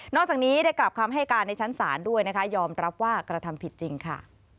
จากนี้ได้กลับคำให้การในชั้นศาลด้วยนะคะยอมรับว่ากระทำผิดจริงค่ะ